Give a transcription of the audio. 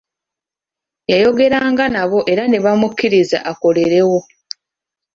Yayogeranga nabo era nebamukiriza akolerewo.